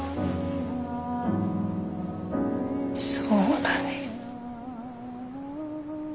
そうだね。